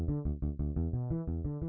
tidak bisa diandalkan